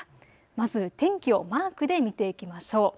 まず天気をマークで見ていきましょう。